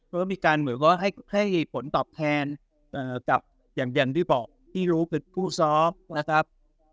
ก็มีการเหมือนว่าให้ผลตอบแทนกับอย่างที่บอกที่รู้เป็นผู้ซ้อมนะครับ